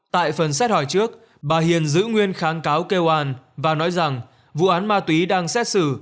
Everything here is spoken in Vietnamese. tại phần xét hỏi trước bà hiền giữ nguyên kháng cáo kêu an và nói rằng vụ án ma túy đang xét xử